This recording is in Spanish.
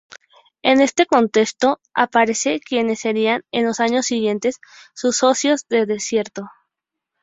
En ese contexto aparecen quienes serían en los años siguientes sus "socios del desierto".